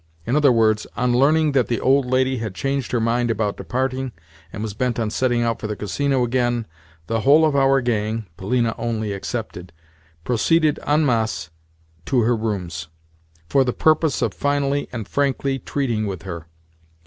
In other words, on learning that the old lady had changed her mind about departing, and was bent on setting out for the Casino again, the whole of our gang (Polina only excepted) proceeded en masse to her rooms, for the purpose of finally and frankly treating with her.